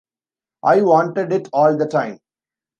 I wanted it all the time.